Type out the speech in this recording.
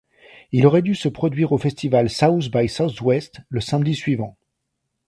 Il aurait dû se produire au festival South by Southwest le samedi suivant.